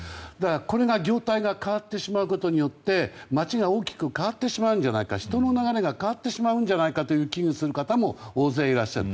これが業態が変わってしまうことによって街が大きく変わってしまうんじゃないか人の流れが変わってしまうんじゃないかと危惧する方も大勢いらっしゃる。